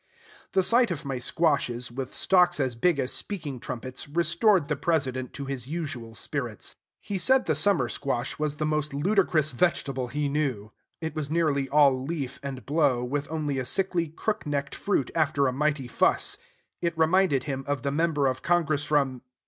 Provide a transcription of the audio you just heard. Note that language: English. The sight of my squashes, with stalks as big as speaking trumpets, restored the President to his usual spirits. He said the summer squash was the most ludicrous vegetable he knew. It was nearly all leaf and blow, with only a sickly, crook necked fruit after a mighty fuss. It reminded him of the member of Congress from...